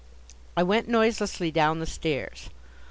I went noiselessly down the stairs.